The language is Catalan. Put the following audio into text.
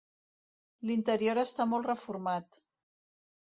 L'interior està molt reformat.